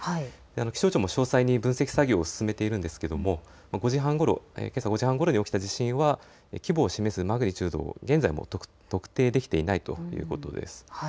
気象庁も詳細に分析作業を進めているんですが、けさ５時半ごろに起きた地震は規模を示すマグニチュード、現在も特定できていないということです。